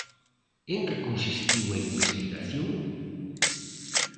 En que consistiu a investigación?